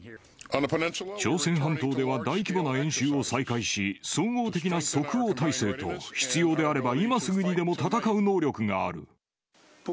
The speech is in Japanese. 朝鮮半島では大規模な演習を再開し、総合的な即応体制と、必要であれば今すぐにでも戦う能力がある。